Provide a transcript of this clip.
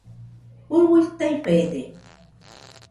Fɨui taifede